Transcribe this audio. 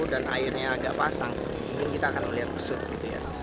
airnya agak pasang mungkin kita akan melihat besut gitu ya